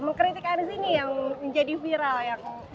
mengkritik anies ini yang menjadi viral